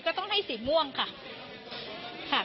ก็ต้องให้สีม่วงค่ะ